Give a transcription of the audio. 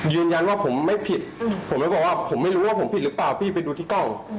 ยืนยันว่าผมไม่ผิดผมไม่บอกว่าผมไม่รู้ว่าผมผิดหรือเปล่าพี่ไปดูที่กล้อง